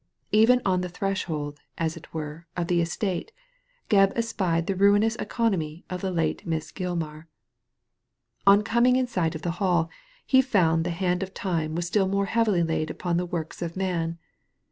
Even on the threshold, as it were, of the estate, Gebb espied the ruinous economy of the late Miss Gilman On coming in sight of the Hall, he found the band of Time still more heavily laid upon the works of Digitized by Google KIRKSTONE HALL 89 man.